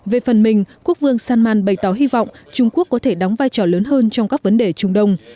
về phần mình quốc vương salman bày tỏ hy vọng trung quốc có thể đóng vai trò lớn hơn trong các vấn đề trung đông